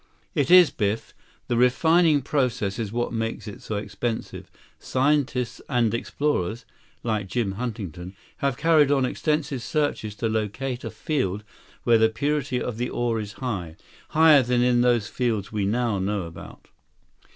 "It is, Biff. The refining process is what makes it so expensive. Scientists and explorers—like Jim Huntington—have carried on extensive searches to locate a field where the purity of the ore is high—higher than in those fields we now know about."